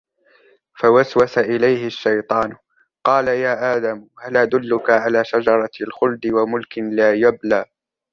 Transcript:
فوسوس إليه الشيطان قال يا آدم هل أدلك على شجرة الخلد وملك لا يبلى